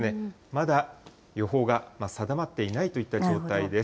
まだ予報が定まっていないといった状態です。